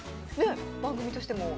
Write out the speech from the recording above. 番組としても。